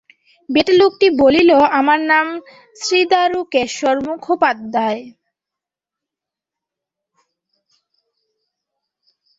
বেঁটে লোকটি বলিল, আমার নাম শ্রীদারুকেশ্বর মুখোপাধ্যায়।